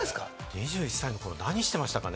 ２１歳の頃、何してましたかね？